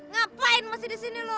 ngapain masih di sini